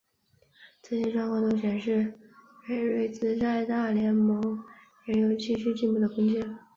这些状况都显示裴瑞兹在大联盟仍有继续进步的空间。